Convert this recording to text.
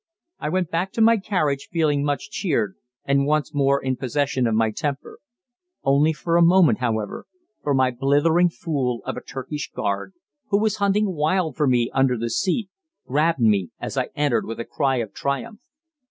I went back to my carriage feeling much cheered and once more in possession of my temper. Only for a moment, however, for my blithering fool of a Turkish guard, who was hunting wildly for me under the seat, grabbed me as I entered with a cry of triumph.